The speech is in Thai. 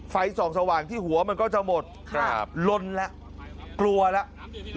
ไฟส่องสว่างที่หัวมันก็จะหมดลนแล้วกลัวแล้ว